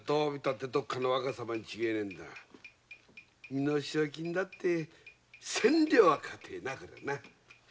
身代金だって千両はかてぇな。